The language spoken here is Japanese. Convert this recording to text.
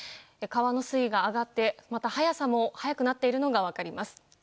川の水位が上がって、また流れも速くなっているのが分かります。